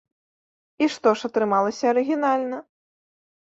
І што ж, атрымалася арыгінальна.